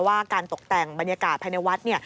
ว่าการตกแต่งบรรยากาศภายในวัด